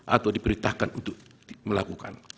atau diperintahkan untuk melakukan